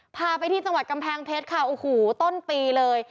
พาไปที่จังหวัดกำแพงเพชรค่ะโอ้โหต้นปีเลย